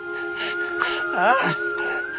ああ？